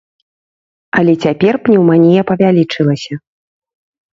Але цяпер пнеўманія павялічылася.